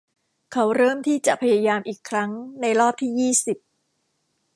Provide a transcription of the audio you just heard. เขาเริ่มที่จะพยายามอีกครั้งในรอบที่ยี่สิบ